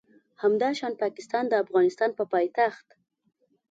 همداشان پاکستان د افغانستان په پایتخت